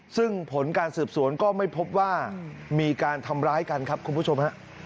ซึ่งผลการสืบสวนก็ไม่พบว่ามีการทำร้ายกันครับคุณผู้ชมฮะ